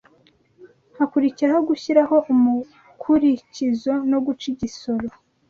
hakurikiraho gushyiraho umukurikizo no guca igisoro